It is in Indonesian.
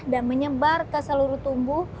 dan menyebar ke seluruh tumbuh